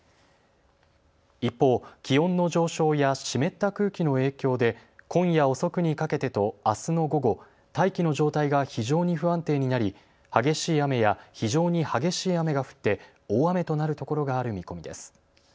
一方、気温の上昇や湿った空気の影響で今夜遅くにかけてとあすの午後、大気の状態が非常に不安定になり、激しい雨や非常に激しい雨が降って大雨となる所がある見込みです。